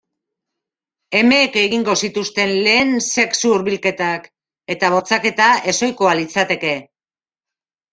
Emeek egingo zituzten lehen sexu-hurbilketak, eta bortxaketa ez-ohikoa litzateke.